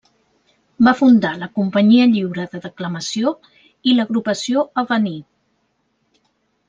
Va fundar la Companyia Lliure de Declamació i l'Agrupació Avenir.